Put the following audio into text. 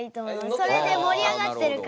それで盛り上がってる感じで。